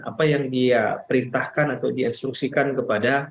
apa yang dia perintahkan atau diinstruksikan kepada